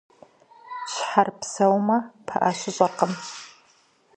Щхьэр псэумэ, пыӀэ щыщӀэркъым.